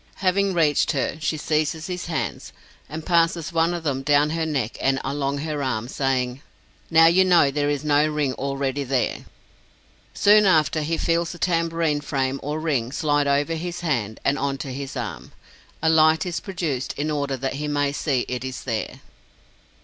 Having reached her, she seizes his hands, and passes one of them down her neck and along her arm, saying: "Now you know there is no ring already there!" Soon after he feels the tambourine frame or ring slide over his hand and on to his arm. A light is produced in order that he may see it is there.